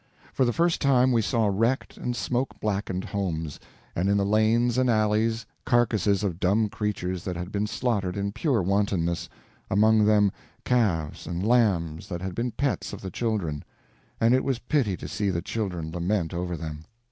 For the first time we saw wrecked and smoke blackened homes, and in the lanes and alleys carcasses of dumb creatures that had been slaughtered in pure wantonness—among them calves and lambs that had been pets of the children; and it was pity to see the children lament over them.